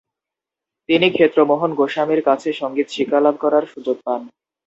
তিনি ক্ষেত্রমোহন গোস্বামী-র কাছে সঙ্গীত শিক্ষালাভ করার সুযোগ পান।